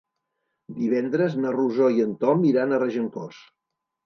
Divendres na Rosó i en Tom iran a Regencós.